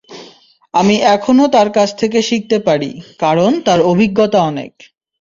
আমি এখনো তার কাছ থেকে শিখতে পারি, কারণ তার অভিজ্ঞতা অনেক।